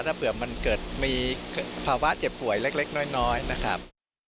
ถ้าเผื่อมันเกิดมีภาวะเจ็บป่วยเล็กน้อยนะครับ